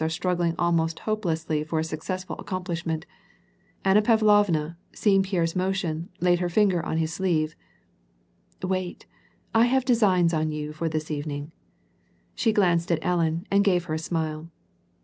\\v^ almost hopelessly for a successful accomplish \iina Pavlovna, seeing Pierre's motion, laid her tinger I IT, I have designs on you for this evening." . j^'lanced at Ellen, and gave her a smile.